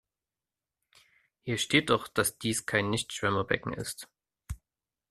Hier steht doch, dass dies kein Nichtschwimmerbecken ist.